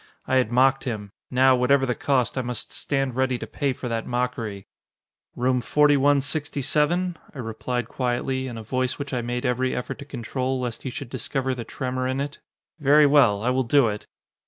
I had mocked him. Now, whatever the cost, I must stand ready to pay for that mockery. "Room 4167?" I replied quietly, in a voice which I made every effort to control, lest he should discover the tremor in it. "Very well, I will do it!"